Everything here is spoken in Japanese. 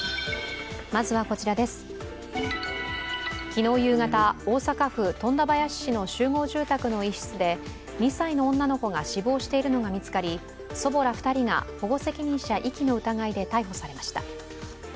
昨日夕方、大阪府富田林市の集合住宅の一室で２歳の女の子が死亡しているのが見つかり祖母ら２人が保護責任者遺棄の疑いで逮捕されました。